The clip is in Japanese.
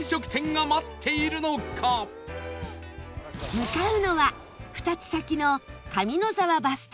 向かうのは２つ先の上野沢バス停